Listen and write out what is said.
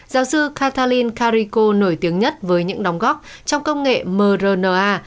giáo sư catalin carrico nổi tiếng nhất với những đóng góp trong công nghệ mrna